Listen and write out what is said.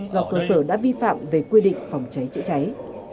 do cơ sở đã vi phạm về quy định phòng cháy trị trạng